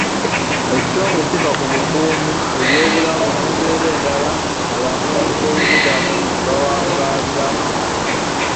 Ekitongole kifa ku bukuumi, ebyobulamu n'embeera endala abanoonyi b'obubudamu ze bawangaaliramu.